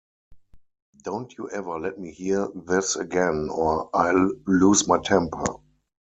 Don't you ever let me hear this again, or I'll lose my temper.